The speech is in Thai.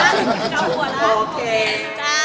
ใช้เวลาค่ะ